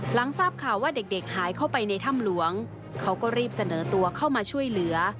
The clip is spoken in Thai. หลังทราบข่าวว่าเด็กหายเข้าไปในถ้ำหลวงเขาก็รีบเสนอตัวเข้ามาช่วยเหลือ